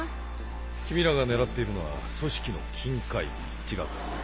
君らが狙っているのは組織の金塊違うかね？